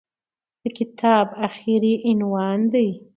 د کتاب اخري عنوان دى.